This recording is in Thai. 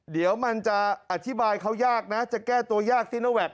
เดี๋ยวมันจะอธิบายเขายากนะจะแก้ตัวยากซีโนแวค